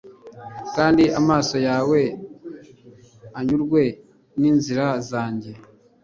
kandi amaso yawe anyurwe n’inzira zanjye